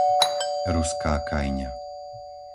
Ruská Kajňa